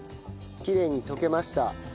きれいに溶けました。